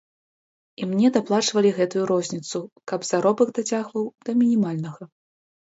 І мне даплачвалі гэтую розніцу, каб заробак дацягваў да мінімальнага.